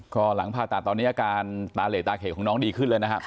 ก็หลังผ่าตัดตอนนี้อาการตาเหลตาเขกของน้องดีขึ้นเลยนะครับ